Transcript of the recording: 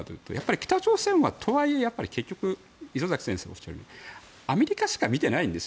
北朝鮮はとはいえ結局、礒崎先生がおっしゃったようにアメリカしか見ていないんです。